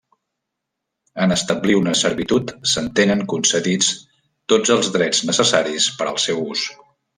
En establir una servitud s'entenen concedits tots els drets necessaris per al seu ús.